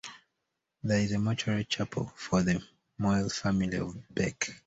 There is a mortuary chapel for the Moyle family of Bake.